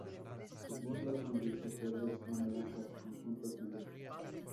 Sus miembros son grises, verdes o naranjas con puntos negros.